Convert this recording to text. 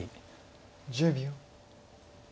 １０秒。